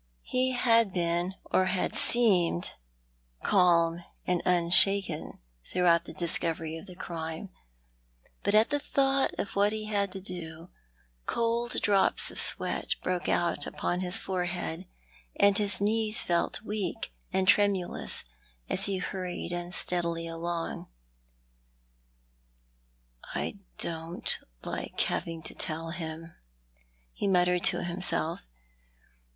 He had been, or had seemed, calm and unshaken throughout the discovery of the crime ; but at the thought of what he had to do, cold drops of sweat broke out upon his forehead, and his knees felt weak and tremulous as he hurried unsteadily along. "I don't like having to tell him," he muttered to himself.